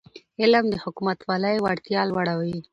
علم د حکومتولی وړتیا لوړوي.